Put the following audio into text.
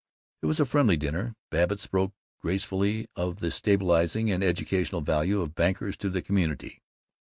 It was a friendly dinner. Babbitt spoke gracefully of the stabilizing and educational value of bankers to the community.